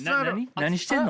何してんの？